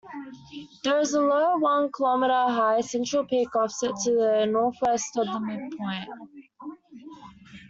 There is a low, one-km-high central peak offset to the northwest of the midpoint.